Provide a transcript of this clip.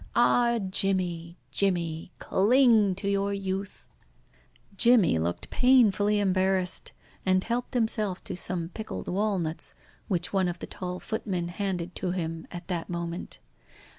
Ah, Jimmy, Jimmy! cling to your youth!" Jimmy looked painfully embarrassed, and helped himself to some pickled walnuts which one of the tall footmen handed to him at that moment.